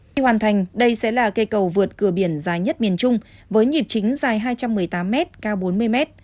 khi hoàn thành đây sẽ là cây cầu vượt cửa biển dài nhất miền trung với nhịp chính dài hai trăm một mươi tám m cao bốn mươi m